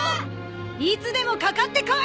いつでもかかってこい！